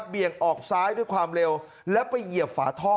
ออกซ้ายด้วยความเร็วแล้วไปเหยียบฝาท่อ